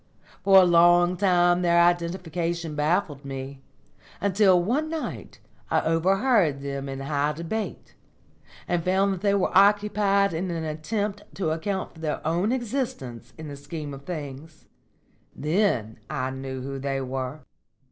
For a long time their identification baffled me, until one night I overheard them in high debate, and found they were occupied in an attempt to account for their own existence in the scheme of things. Then I knew who they were."